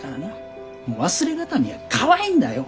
忘れ形見がかわいいんだよ！